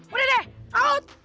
udah deh out